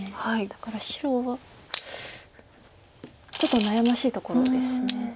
だから白はちょっと悩ましいところです。